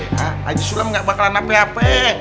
ha aji sulam gak bakalan hape hape